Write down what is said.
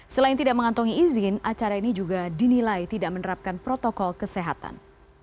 selain tidak mengantongi izin acara ini juga dinilai tidak menerapkan protokol kesehatan